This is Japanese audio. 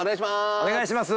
お願いします。